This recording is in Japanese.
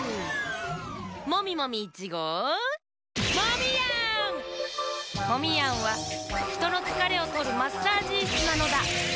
モミモミ１ごうモミヤンはひとのつかれをとるマッサージイスなのだ。